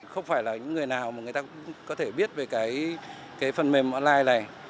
không phải là những người nào mà người ta có thể biết về cái phần mềm online này